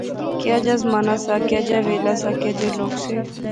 کیا جا زمانہ سا، کیا جا ویلا سا، کے جے لوک سے